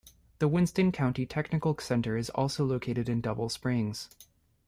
The Winston County Technical Center is also located in Double Springs.